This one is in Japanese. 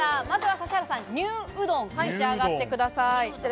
まずは指原さん、乳うどん、召し上がってください。